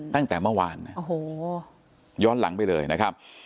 ตั้งแต่เมื่อวานโอ้โหย้อนหลังไปเลยนะครับ